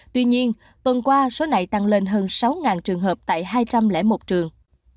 tuy nhiên tuần qua số này tăng lên hơn sáu trường hợp tại hai trăm linh một trường